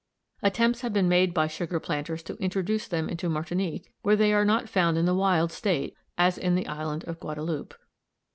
Attempts have been made by sugar planters to introduce them into Martinique, where they are not found in the wild state, as in the island of Guadeloupe.